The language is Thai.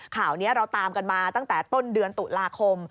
ข่าวนี้เราตามกันมาตั้งแต่ต้นเดือนตุลาคม